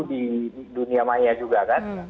di dunia maya juga kan